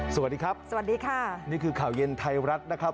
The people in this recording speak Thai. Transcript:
สวัสดีครับสวัสดีค่ะนี่คือข่าวเย็นไทยรัฐนะครับ